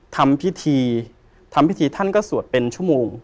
ทำพิธีทำพิธีท่านก็สวดเป็นชั่วโมง